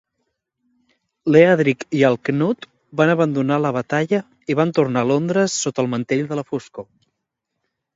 L'Eadric i el Cnut van abandonar la batalla i van tornar a Londres sota el mantell de la foscor.